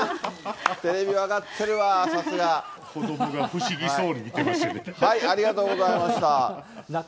テレビ分かってるわー、さす子どもが不思議そうに見てまありがとうございました。